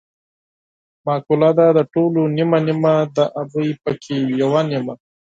مقوله ده: د ټولو نیمه نیمه د ابۍ پکې یوه نیمه.